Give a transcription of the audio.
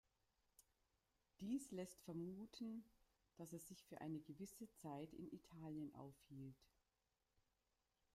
Dies lässt vermuten, dass er sich für eine gewisse Zeit in Italien aufhielt.